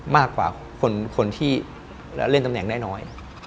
มากกว่าคนที่เล่นตำแหน่งได้น้อย